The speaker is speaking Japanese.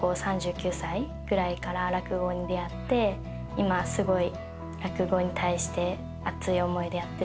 今すごい。